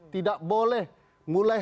tidak boleh mulai